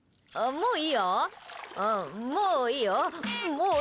もういい。